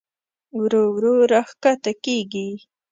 ورو ورو راښکته کېږي.